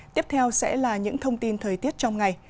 tiếp theo sẽ là những thông tin thời tiết trong ngày